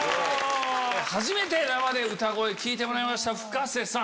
初めて生で歌声聴いてもらいましたＦｕｋａｓｅさん。